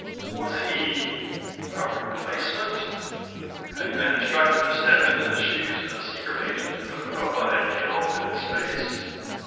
Was he ... a replacement? Had he been instructed to step into the shoes of the secret agent the robot had killed in space?